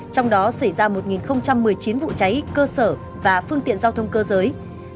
trong đó xảy ra một một mươi chín vụ cháy cơ sở và phương tiện giao thông cơ giới